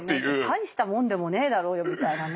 大したもんでもねえだろうよみたいなね。